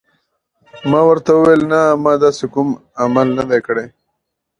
ما ورته وویل: نه، ما داسې کوم عمل نه دی کړی.